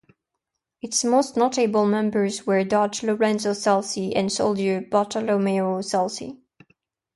Its most notable members were doge Lorenzo Celsi and soldier Bartolomeo Celsi.